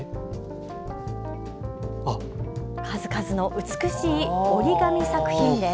数々の美しい折り紙作品です。